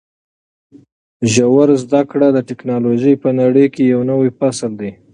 ژوره زده کړه د ټکنالوژۍ په نړۍ کې یو نوی فصل دی.